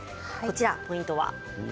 ポイントは？